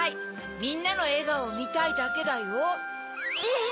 みんなのえがおをみたいだけだよ。え？